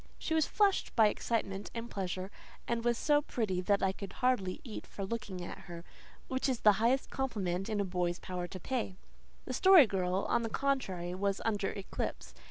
She was flushed with excitement and pleasure, and was so pretty that I could hardly eat for looking at her which is the highest compliment in a boy's power to pay. The Story Girl, on the contrary, was under eclipse.